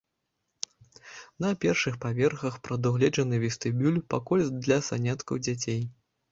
На першых паверхах прадугледжаны вестыбюль, пакой для заняткаў дзяцей.